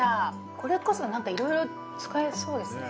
これこそなんかいろいろ使えそうですね